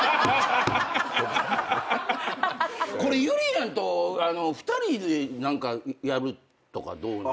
これゆりやんと２人で何かやるとかどうなん？